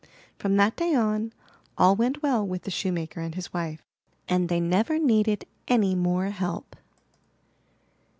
From that day on, all went well with the shoe maker and his wife, and they never needed any more help.